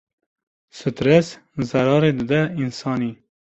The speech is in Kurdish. Stres zerarê dide însanî.